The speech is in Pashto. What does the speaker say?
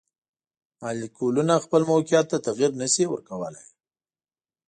مالیکولونه خپل موقیعت ته تغیر نشي ورکولی.